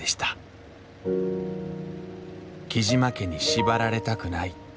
雉真家に縛られたくない。